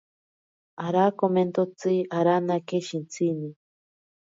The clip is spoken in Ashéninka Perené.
Arakomentotsi aranake shintsini.